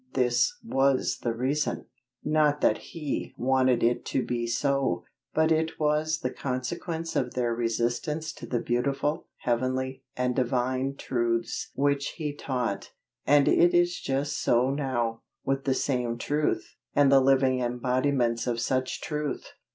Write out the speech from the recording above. This was the reason not that He wanted it to be so, but it was the consequence of their resistance to the beautiful, heavenly, and Divine truths which He taught; and it is just so now, with the same truth, and the living embodiments of such truth.